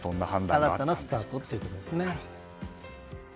新たなスタートということですね。